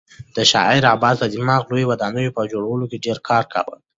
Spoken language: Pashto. د شاه عباس دماغ د لویو ودانیو په جوړولو کې ډېر کار کاوه.